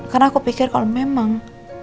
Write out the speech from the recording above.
karena aku pikir kalau memang